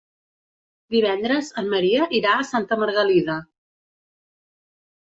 Divendres en Maria irà a Santa Margalida.